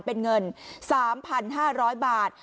เป็นเงิน๓๕๐๐บาท